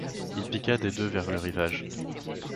Il piqua des deux vers le rivage.